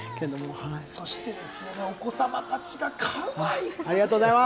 そしてお子様たちが、かわいい！